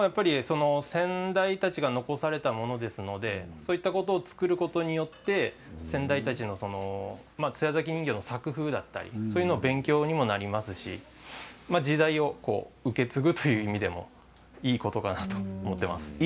先代たちが残されたものですのでそういったことで作ることによって先代たちの津屋崎人形の作風だったりそういうのも勉強になりますし時代を受け継ぐという意味でもいいことかなと思っています。